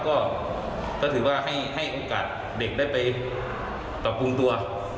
ก็ถือว่าให้โอกาสเด็กได้ไปปรับปรุงตัว